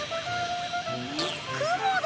雲だ！